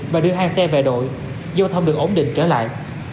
và đưa hai xe về đội giao thông được ổn định trở lại